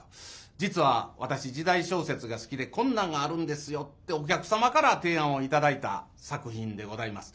「実は私時代小説が好きでこんなんがあるんですよ」ってお客様から提案を頂いた作品でございます。